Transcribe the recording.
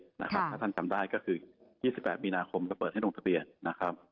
ถ้าท่านจำได้ก็คือ๒๘มีนาคมก็เปิดให้ลงทะเบียนนะครับ